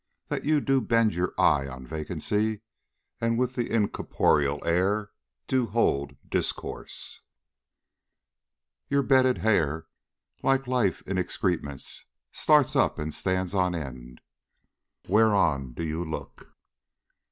That you do bend your eye on vacancy, And with the incorporeal air do hold discourse? Your bedded hair, like life in excrements, Starts up and stands on end. Whereon do you look?